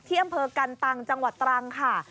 อำเภอกันตังจังหวัดตรังค่ะ